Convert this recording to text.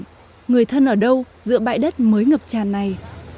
nhưng người thân ở đâu giữa bãi đất mới ngập tràn này